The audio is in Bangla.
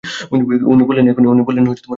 উনি বললেন, এখুনি?